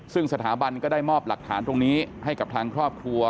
ซึ่งสถาบันก็ได้มอบหลักฐานตรงนี้ให้กับทางครอบครัว